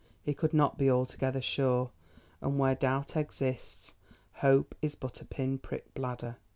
he could not be altogether sure, and where doubt exists, hope is but a pin pricked bladder.